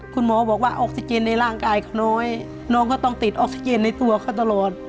คุณหมอบอกว่าออกซิเจนในร่างกายเขาน้อยน้องก็ต้องติดออกซิเจนในตัวเขาตลอด